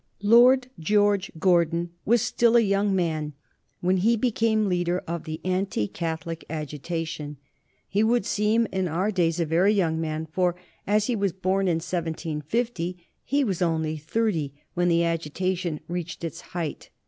Lord George Gordon was still a young man when he became leader of the anti Catholic agitation. He would seem in our days a very young man, for, as he was born in 1750, he was only thirty when the agitation reached its height.